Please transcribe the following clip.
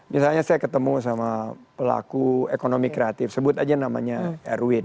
misalnya saya ketemu sama pelaku ekonomi kreatif sebut aja namanya erwin